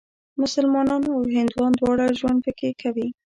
مسلمانان او هندوان دواړه ژوند پکې کوي.